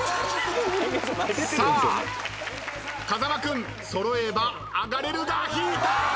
さあ風間君揃えば上がれるが引いた！